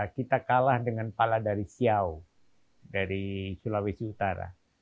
kita kalah dengan pala dari siau dari sulawesi utara